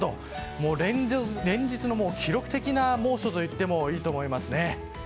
もう連日の記録的な猛暑と言ってもいいかもしれません。